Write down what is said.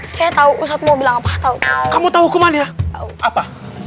saya tahu usah mau bilang apa tahu kamu tahu kemahnya apa